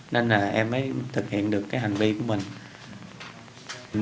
nên là em mới thực hiện được cái hành vi